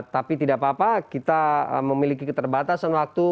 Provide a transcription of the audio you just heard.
tapi tidak apa apa kita memiliki keterbatasan waktu